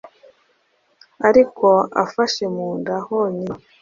ariko afashe mu nda honyine